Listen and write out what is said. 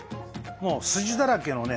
もうスジだらけのね